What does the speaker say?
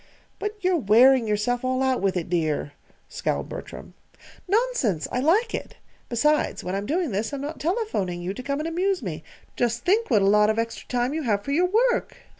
"But you're wearing yourself all out with it, dear," scowled Bertram. "Nonsense! I like it; besides, when I'm doing this I'm not telephoning you to come and amuse me. Just think what a lot of extra time you have for your work!"